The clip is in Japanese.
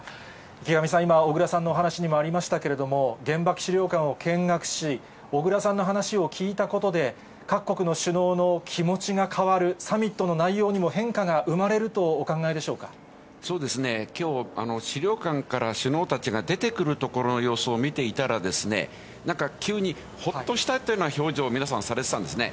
池上さん、今、小倉さんのお話にもありましたけれども、原爆資料館を見学し、小倉さんの話を聞いたことで、各国の首脳の気持ちが変わる、サミットの内容にも変化が生まれるとお考えでしそうですね、きょう、資料館から首脳たちが出てくるところの様子を見ていたらですね、なんか急に、ほっとしたというような表情を皆さん、されてたんですね。